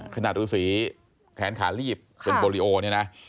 ขนาดฤษีแขนขาลีบเป็นบริโอเนี่ยนะ